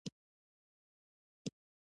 بیا له هغه لارې کښتۍ ته ځم چې چمتو یې کړم.